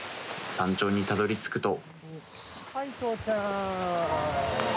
山頂にたどりつくと。